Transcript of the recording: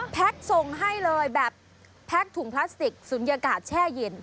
ส่งให้เลยแบบแพ็คถุงพลาสติกศูนยากาศแช่เย็น